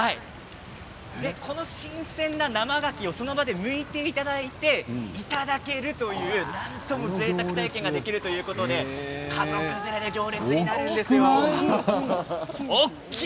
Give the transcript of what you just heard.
この新鮮な生がきをその場でむいていただいていただけるぜいたく体験ができるってことで家族連れで行列になるんです。